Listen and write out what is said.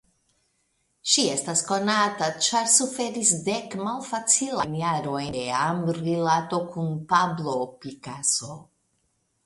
Ŝi estas konata ĉar suferis dek malfacilajn jarojn de amrilato kun Pablo Picasso.